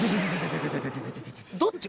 どっち？